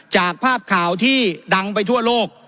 จากภาพข่าวที่ดังไปทั่วโลก